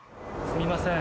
すみません。